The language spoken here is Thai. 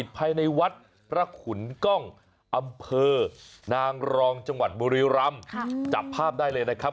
ภายในวัดพระขุนกล้องอำเภอนางรองจังหวัดบุรีรำจับภาพได้เลยนะครับ